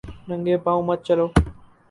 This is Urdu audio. ننگے پاؤں مت چلو